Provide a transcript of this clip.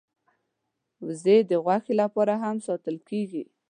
وزې د غوښې لپاره هم ساتل کېږي